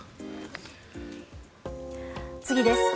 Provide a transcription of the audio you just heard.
次です。